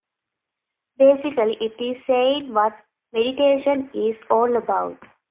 Basically it is saying what meditation is all about.